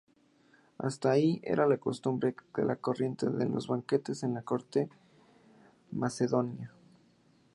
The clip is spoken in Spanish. Hasta ahí era la costumbre corriente en los banquetes de la corte macedonia.